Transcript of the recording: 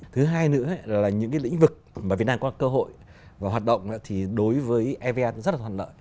thứ hai nữa là những lĩnh vực mà việt nam có cơ hội và hoạt động thì đối với evfta rất là toàn lợi